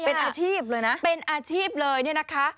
เป็นอาชีพเลยนะเป็นอาชีพเลยเนี่ยนะคะ